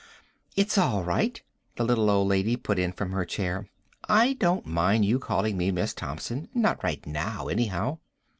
"It's all right," the little old lady put in from her chair. "I don't mind your calling me Miss Thompson, not right now, anyhow."